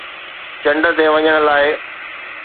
چنڊ تي وڃڻ لاءِ